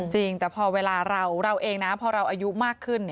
จริงแต่พอเวลาเราเองนะพอเราอายุมากขึ้น